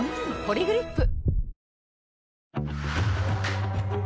「ポリグリップ」